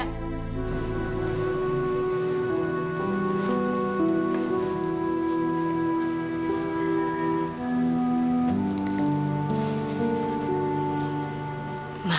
lagi telepon siapa gue kayaknya kawan